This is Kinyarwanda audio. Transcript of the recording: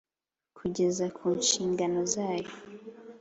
Kugeza ilpd ku nshingano zayo